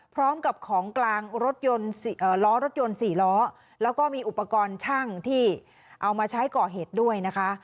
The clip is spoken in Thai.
พร้อมกับของกลางรถยนต์ล้อรถยนต์๔ล้อแล้วก็มีอุปกรณ์ช่างที่เอามาใช้ก่อเหตุด้วยนะคะ